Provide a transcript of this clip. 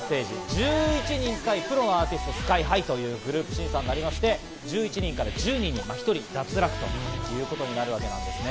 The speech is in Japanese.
１１人対プロのアーティスト・ＳＫＹ−ＨＩというグループ審査になりまして、１１人から１０人に１人脱落ということになるわけですね。